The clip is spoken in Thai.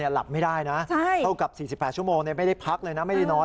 หลับไม่ได้นะเท่ากับ๔๘ชั่วโมงไม่ได้พักเลยนะ